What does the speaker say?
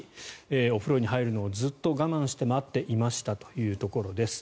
お風呂に入るのをずっと我慢して待っていましたというところです。